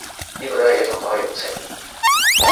呢個都係一種多樣性